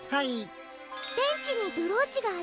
ベンチにブローチがありませんでした？